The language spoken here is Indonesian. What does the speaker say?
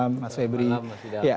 selamat malam mas widodo